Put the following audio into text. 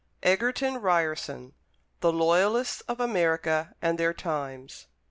Egerton Ryerson: "The Loyalists of America and their Times."